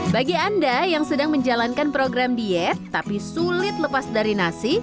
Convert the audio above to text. bagi anda yang sedang menjalankan program diet tapi sulit lepas dari nasi